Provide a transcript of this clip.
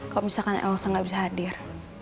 kalau misalkan elsa gak bisa hadir